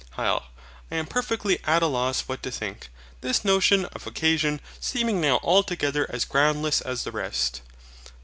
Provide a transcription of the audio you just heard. HYL. I am perfectly at a loss what to think, this notion of OCCASION seeming now altogether as groundless as the rest.